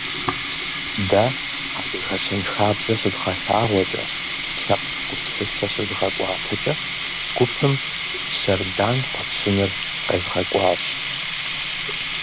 Дэ адыгэ щэнхабзэ щыдгъэлъагъуэкӀэ, лъэпкъ гупсысэ щыдгъэкӀуатэкӀэ, гупым «Щэрдан» фӀэтщыныр къезгъэкӀуащ.